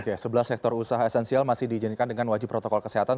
oke sebelah sektor usaha esensial masih diizinkan dengan wajib protokol kesehatan